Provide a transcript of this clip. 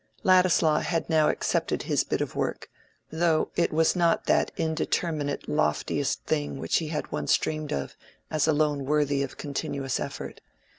Ladislaw had now accepted his bit of work, though it was not that indeterminate loftiest thing which he had once dreamed of as alone worthy of continuous effort.